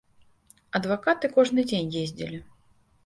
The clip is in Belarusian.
Адвакаты кожны дзень ездзілі.